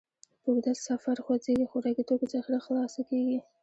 په اوږده سفر خوځېږئ، خوراکي توکو ذخیره خلاصه کېږي.